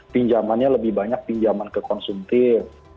pinjamannya lebih banyak pinjaman ke konsumtif